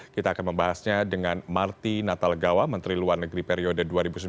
kita akan membahasnya dengan marty natalgawa menteri luar negeri periode dua ribu sembilan dua ribu empat belas